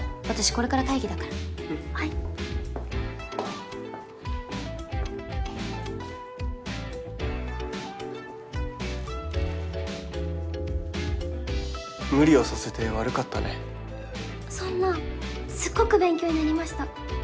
これから会議だからはい無理をさせて悪かったねそんなすっごく勉強になりました